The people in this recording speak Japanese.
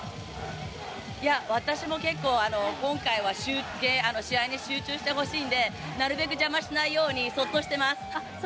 私も結構、今回は試合に集中してほしいんでなるべく邪魔しないように、そっとしてます。